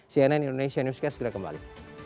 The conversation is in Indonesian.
cnn indonesia newscast segera kembali